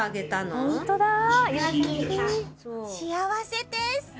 幸せです！